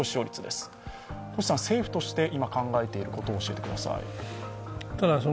政府として今考えていることを教えてください。